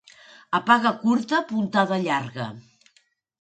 A paga curta, puntada llarga.